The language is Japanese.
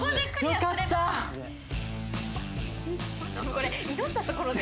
これ祈ったところで。